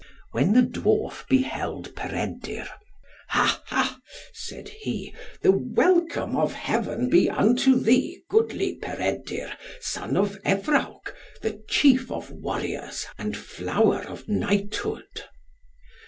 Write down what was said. When the dwarf beheld Peredur, "Ha ha!" said he, "the welcome of Heaven be unto thee, goodly Peredur, son of Evrawc, the chief of warriors, and flower of knighthood."